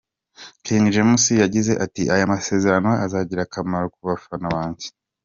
King James yagize ati: “Aya masezerano azagira akamaro ku bafana banjye.